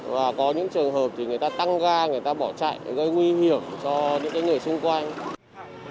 và có những trường hợp thì người ta tăng ga người ta bỏ chạy gây nguy hiểm cho những người xung quanh